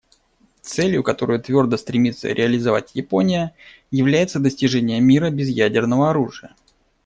Целью, которую твердо стремится реализовать Япония, является достижение мира без ядерного оружия.